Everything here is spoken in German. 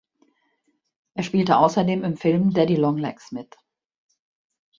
Er spielte außerdem im Film "Daddy Long Legs" mit.